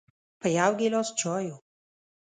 په یو ګیلاس چایو